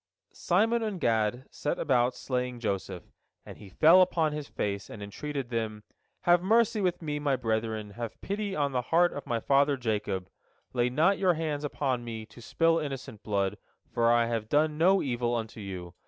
" Simon and Gad set about slaying Joseph, and he fell upon his face, and entreated them: "Have mercy with me, my brethren, have pity on the heart of my father Jacob. Lay not your hands upon me, to spill innocent blood, for I have done no evil unto you.